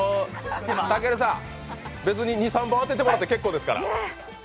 たけるさん、別に２３本当ててもらって結構ですから。